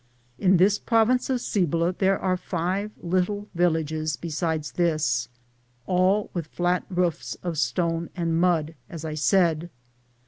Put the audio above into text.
In this province of Cibola there are five little villages besides this, all with flat roofs and of stone and mud, as I said.